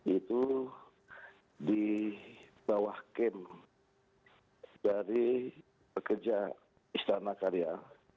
itu di bawah kem dari pekerja istana karya